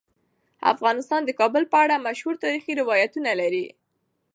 افغانستان د کابل په اړه مشهور تاریخی روایتونه لري.